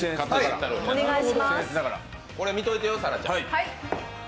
これ見といてよ、沙良ちゃん。